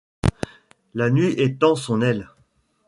La nuit étend son aile ;